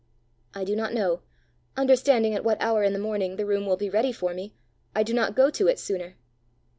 "I do not know. Understanding at what hour in the morning the room will be ready for me, I do not go to it sooner."